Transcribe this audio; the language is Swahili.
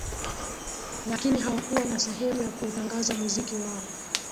Lakini hawakuwa na sehemu ya kuutangaza muziki wao